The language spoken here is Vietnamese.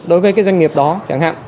đối với cái doanh nghiệp đó chẳng hạn